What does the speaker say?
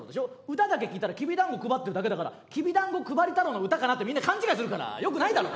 歌だけ聴いたらきび団子配ってるだけだから「きび団子配り太郎」の歌かなってみんな勘違いするからよくないだろ。